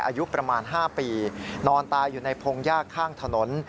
อายุประมาณ๕ปีนอนตายอยู่ในพงยากข้างถนน